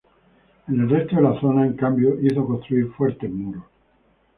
En el resto de la zona, en cambio, hizo construir fuertes muros.